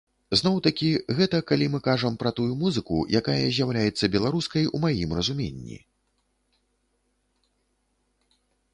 Зноў-такі, гэта калі мы кажам пра тую музыку, якая з'яўляецца беларускай у маім разуменні.